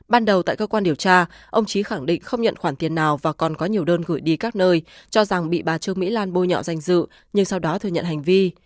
ban đầu tại cơ quan điều tra ông trí khẳng định không nhận khoản tiền nào và còn có nhiều đơn gửi đi các nơi cho rằng bị bà trương mỹ lan bôi nhọ danh dự nhưng sau đó thừa nhận hành vi